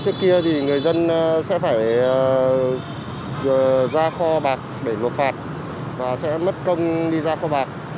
trước kia thì người dân sẽ phải ra kho bạc để nộp phạt và sẽ mất công đi ra kho bạc